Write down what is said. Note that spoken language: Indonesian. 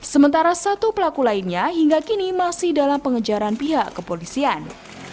sementara satu pelaku lainnya hingga kini masih dalam pengejaran pihak kepolisian